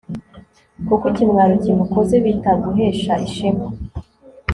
kuko ikimwaro kimukoze, bitaguhesha ishema